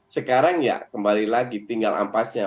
sekarang ya kembali lagi tinggal ampasnya